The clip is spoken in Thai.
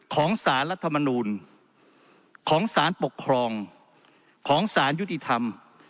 ของสารรัฐมนูลของสารปกครองของสารยุติธรรม